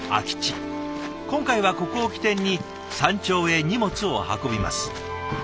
今回はここを起点に山頂へ荷物を運びます。